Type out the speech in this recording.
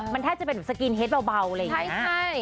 มันแทบจะเป็นสกินเฮดเบาอะไรอย่างนี้